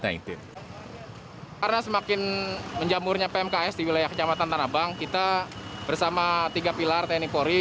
karena semakin menjamurnya pmks di wilayah kecamatan tanah abang kita bersama tiga pilar tni polri